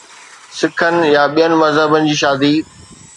سکن يا ٻين مذهبن جي شادي.